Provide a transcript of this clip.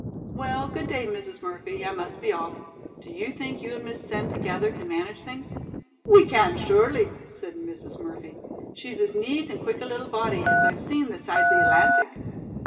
"Well, good day, Mrs. Murphy, I must be off. Do you think you and Miss Sen together can manage things?" "We can, surely," said Mrs. Murphy. "She's as neat and quick a little body as I've seen this side the Atlantic."